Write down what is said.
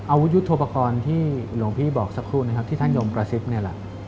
อาวุธยุทธโปรกรณ์ที่หลวงพี่บอกสักครู่นะครับที่ท่านยมกระซิบนี่แหละ